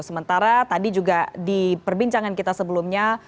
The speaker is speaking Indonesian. sementara tadi juga di perbincangan kita sebelumnya